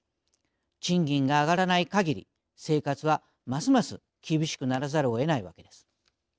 賃金が上がらないかぎり生活はますます厳しくならざるをえないわけです。